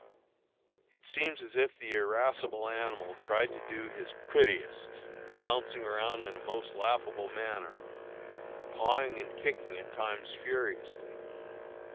It seems as if the irascible animal tried to do his prettiest, flouncing around in a most laughable manner, pawing and kicking at times furiously.